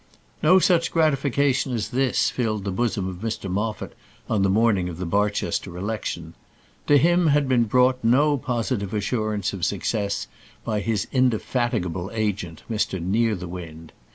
No such gratification as this filled the bosom of Mr Moffat on the morning of the Barchester election. To him had been brought no positive assurance of success by his indefatigable agent, Mr Nearthewinde.